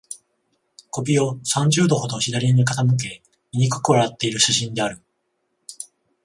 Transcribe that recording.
首を三十度ほど左に傾け、醜く笑っている写真である